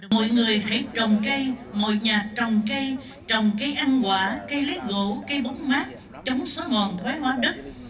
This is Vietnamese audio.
mọi người hãy trồng cây mọi nhà trồng cây trồng cây ăn quả cây lấy gỗ cây bóng mát trống xóa ngòn thoái hóa đất